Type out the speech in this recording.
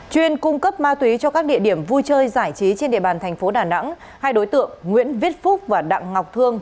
truyền cung cấp ma túy cho các địa điểm vui chơi giải trí trên địa bàn tp đà nẵng hai đối tượng nguyễn viết phúc và đặng ngọc thương